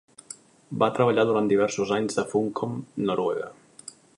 Va treballar durant diversos anys a Funcom, Noruega.